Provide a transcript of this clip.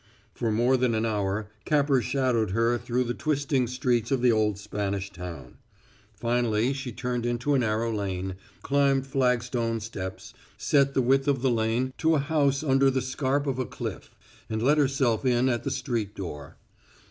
For more than an hour Capper shadowed her through the twisting streets of the old Spanish town. Finally she turned into a narrow lane, climbed flagstone steps, set the width of the lane, to a house under the scarp of a cliff, and let herself in at the street door.